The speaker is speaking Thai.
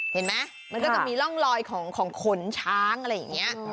เห็นไหมมันก็จะมีร่องลอยของขนช้างอะไรอย่างนี้